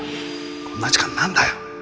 こんな時間に何だよ。